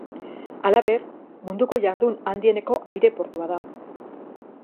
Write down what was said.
Halaber, Munduko jardun handieneko aireportua da.